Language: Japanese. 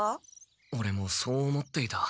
オレもそう思っていた。